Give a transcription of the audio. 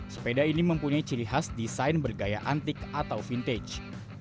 sepeda ini mempunyai ciri khas desain bergaya antik atau vintage